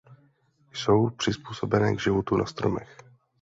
Jsou přizpůsobené k životu na stromech.